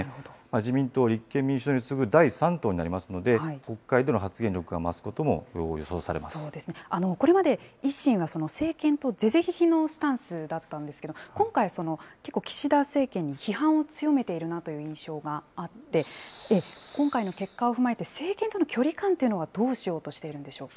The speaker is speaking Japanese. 自民党、立憲民主党に次ぐ第３党になりますので、国会での発言力が増すここれまで、維新は政権と是々非々のスタンスだったんですけれども、今回、結構岸田政権に批判を強めているなという印象があって、今回の結果を踏まえて政権との距離感というのはどうしようとしているんでしょうか。